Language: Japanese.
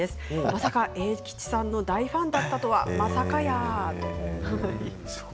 まさか永吉さんの大ファンだったとはまさかやー！